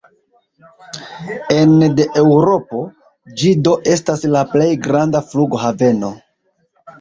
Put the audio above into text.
Ene de Eŭropo, ĝi do estas la plej granda flughaveno.